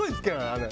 あれ。